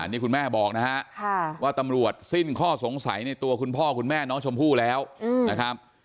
นี่คุณแม่บอกนะฮะว่าตำรวจสิ้นข้อสงสัยในตัวคุณพ่อคุณแม่น้องชมพู่แล้วนะครับ